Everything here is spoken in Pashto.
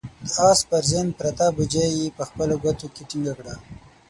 د آس پر زين پرته بوجۍ يې په خپلو ګوتو کې ټينګه کړه.